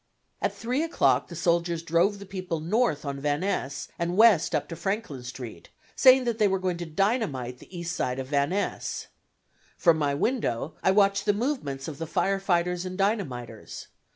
At 3 o'clock the soldiers drove the people north on Van Ness and west up to Franklin Street, saying that they were going to dynamite the east side of Van Ness. From my window I watched the movements of the fire fighters and dynamiters.